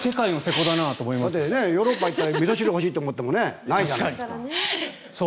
ヨーロッパに行ってみそ汁が欲しいと思ってもないでしょう。